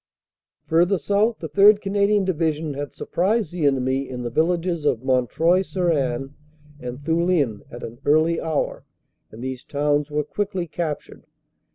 "Further south the 3rd. Canadian Division had surprised the enemy in the villages of Montreuil sur Haine and Thulin at an early hour, and these towns were quickly captured.